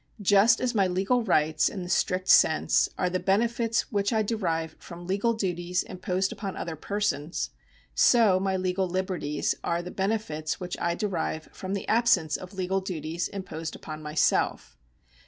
Just as my legal rights (in the strict sense) are the benefits which I derive from legal duties imposed upon other persons, so my legal liberties are the benefits which I derive from the absence of legal duties imposed upon myself.